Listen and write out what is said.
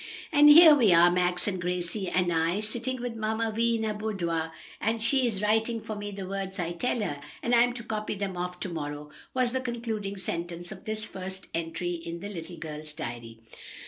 "And here we are Max and Gracie and I sitting with Mamma Vi in her boudoir, and she is writing for me the words I tell her, and I'm to copy them off to morrow," was the concluding sentence of this first entry in the little girl's diary.